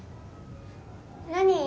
何？